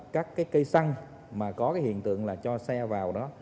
các cái cây xăng mà có cái hiện tượng là cho xe vào đó